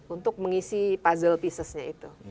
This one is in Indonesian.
untuk mengisi puzzle pieces nya itu